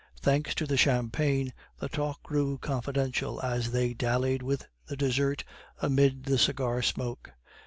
Thanks to the champagne, the talk grew confidential as they dallied with the dessert amid the cigar smoke.